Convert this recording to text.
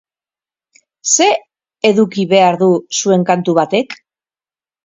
Zer eduki behar du zuen kantu batek?